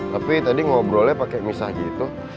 tapi tadi ngobrolnya pakai misah gitu